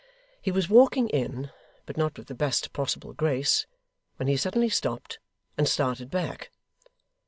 He was walking in, but not with the best possible grace, when he suddenly stopped, and started back.